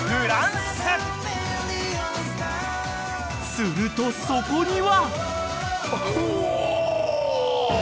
［するとそこには！］